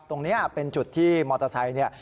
ตรงนี้เป็นจุดที่มอเตอร์ไซค์เนี่ย